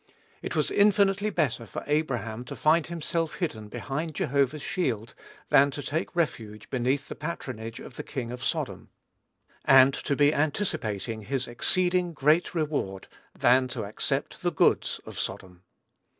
It was infinitely better for Abraham to find himself hidden behind Jehovah's shield, than to take refuge beneath the patronage of the king of Sodom; and to be anticipating his "exceeding great reward," than to accept "the goods" of Sodom.